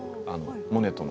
モネとの。